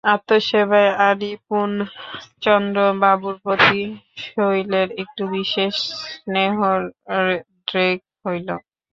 আত্মসেবায় অনিপুণ চন্দ্রবাবুর প্রতি শৈলের একটু বিশেষ স্নেহোদ্রেক হইল।